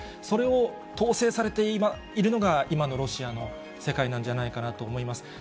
それを統制されているのが、今のロシアの世界なんじゃないかなと思います。